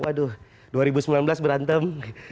waduh dua ribu sembilan belas berantem